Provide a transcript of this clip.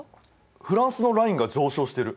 フランスのラインが上昇してる。